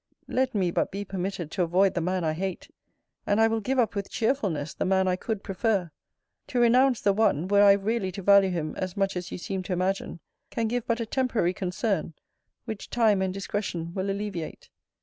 Let me but be permitted to avoid the man I hate; and I will give up with cheerfulness the man I could prefer. To renounce the one, were I really to value him as much as you seem to imagine, can give but a temporary concern, which time and discretion will alleviate.